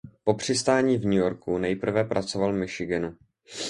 Po přistání v New Yorku nejprve pracoval v Michiganu.